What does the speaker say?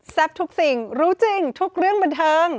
ทุกสิ่งรู้จริงทุกเรื่องบันเทิง